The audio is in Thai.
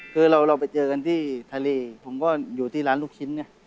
คือเราไปเจอกันที่ทะเลผมก็อยู่ที่ร้านลูกชิ้นไง